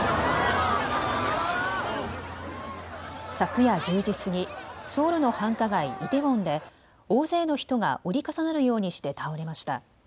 昨夜１０時過ぎソウルの繁華街、イテウォンで大勢の人が折り重なるようにして倒れました。